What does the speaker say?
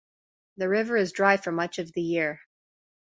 The river is dry for much of the year.